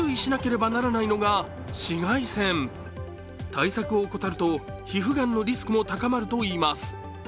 対策を怠ると皮膚がんのリスクも高まるといいます。